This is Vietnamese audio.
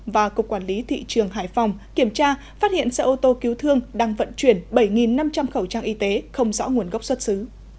và cục quản lý thị trường hải phòng kiểm tra phát hiện xe ô tô cứu thương đang vận chuyển bảy năm trăm linh khẩu trang y tế không rõ nguồn gốc xuất xứ